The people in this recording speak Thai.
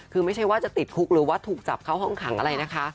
คือไม่ใช่ว่าจะติดคุกหรือว่าถูกจับเข้าห้องขังอะไรนะคะ